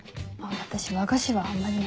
私和菓子はあんまりなんで。